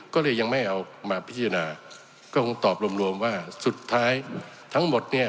ก็เลยยังไม่เอามาพิจารณาก็คงตอบรวมรวมว่าสุดท้ายทั้งหมดเนี่ย